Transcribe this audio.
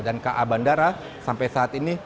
dan ka bandara sampai saat ini